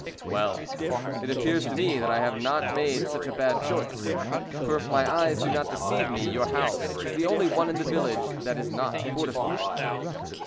'" "Well, it appears to me that I have not made such a bad choice, for if my eyes do not deceive me, your house is the only one in the village that is not fortified."